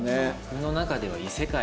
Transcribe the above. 僕の中では異世界。